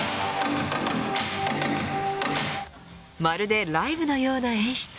まるでライブのような演出。